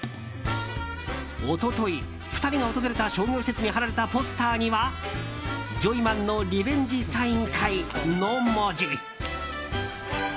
一昨日、２人が訪れた商業施設に貼られたポスターにはジョイマンのリベンジサイン会の文字。